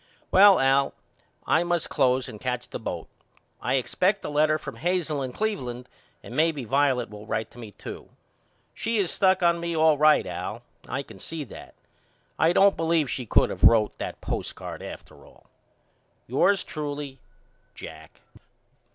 Well Al I must close and catch the boat. I expect a letter from Hazel in Cleveland and maybe Violet will write to me too. She is stuck on me all right Al. I can see that. And I don't believe she could of wrote that postcard after all. Yours truly, JACK.